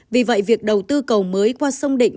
vì vậy việc đầu tư cầu mới qua sông định